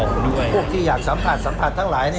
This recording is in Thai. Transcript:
คุณต้องไปคุยกับทางเจ้าหน้าที่เขาหน่อย